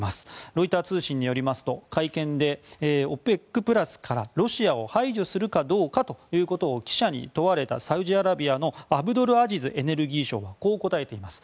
ロイター通信によりますと会見でＯＰＥＣプラスからロシアを排除するかどうかということを記者に問われたサウジアラビアのアブドルアジズエネルギー相はこう答えています。